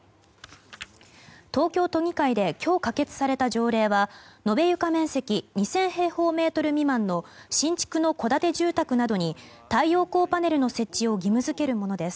東京都議会で今日可決された条例は延べ床面積２０００平方メートル未満の新築の戸建て住宅などに太陽光パネルの設置を義務付けるものです。